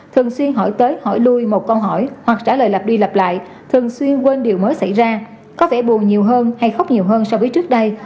thường xuyên hỏi tới hỏi lui một câu hỏi hoặc trả lời lặp đi lặp lại thường xuyên quên điều mới xảy ra có vẻ buồn nhiều hơn hay khóc nhiều hơn so với trước đây